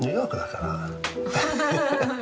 ハハハハ。